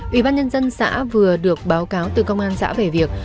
ủy ban nhân dân xã vừa được báo cáo từ công an xã về việc